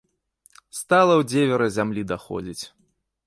Стала ў дзевера зямлі даходзіць.